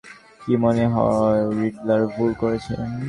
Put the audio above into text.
কী মনে হয়, রিডলার ভুল করেছে?